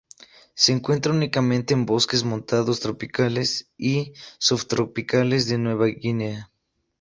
Se encuentra únicamente en bosques montanos tropicales y subtropicales de Nueva Guinea.